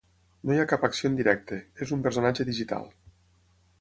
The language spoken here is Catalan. No hi ha cap acció en directe; és un personatge digital.